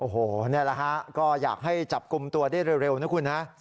โอ้โหนี่แหละฮะก็อยากให้จับกลุ่มตัวได้เร็วนะคุณฮะ